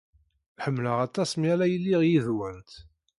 Ḥemmleɣ aṭas mi ara iliɣ yid-went.